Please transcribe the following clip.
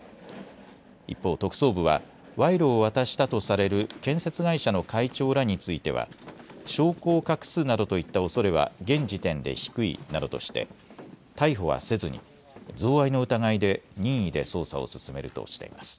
一方、特捜部は賄賂を渡したとされる建設会社の会長らについては証拠を隠すなどといったおそれは現時点で低いなどとして逮捕はせずに贈賄の疑いで任意で捜査を進めるとしてます。